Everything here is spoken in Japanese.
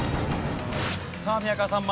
さあ宮川さん